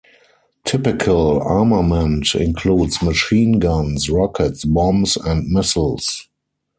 Typical armament includes machine guns, rockets, bombs and missiles.